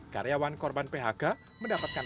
karyawan korban phk mendapatkan